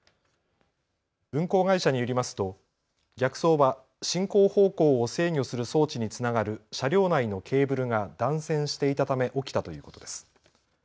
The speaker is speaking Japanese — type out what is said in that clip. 運行会社によりますと逆走は進行方向を制御する装置につながる車両内のケーブルが断線していたため起きたということです。